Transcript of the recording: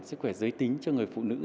sức khỏe giới tính cho người phụ nữ